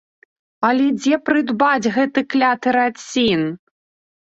Але дзе прыдбаць гэты кляты рацін?